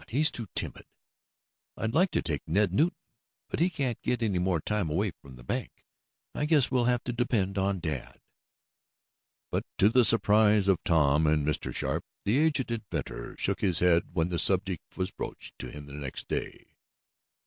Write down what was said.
He's too timid." "I'd like to take Ned Newton, but he can't get any more time away from the bank. I guess we'll have to depend on dad." But, to the surprise of Tom and Mr. Sharp, the aged inventor shook his head when the subject was broached to him next day.